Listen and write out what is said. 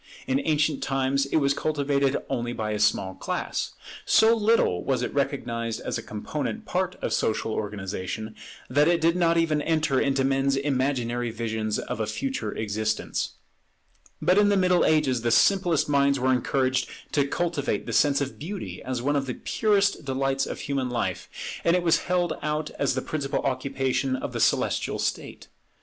In ancient times it was cultivated only by a small class. So little was it recognized as a component part of social organization, that it did not even enter into men's imaginary visions of a future existence. But in the Middle Ages the simplest minds were encouraged to cultivate the sense of beauty as one of the purest delights of human life; and it was held out as the principal occupation of the celestial state.